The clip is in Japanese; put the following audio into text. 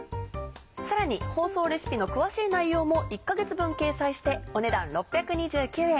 さらに放送レシピの詳しい内容も１か月分掲載してお値段６２９円。